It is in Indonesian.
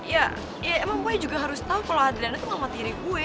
ya ya emang boy juga harus tau kalo adriana tuh sama tiri gue